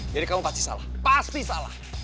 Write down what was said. jadi kamu pasti salah pasti salah